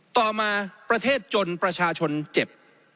ต่อมาประเทศจนประชาชนเจ็บ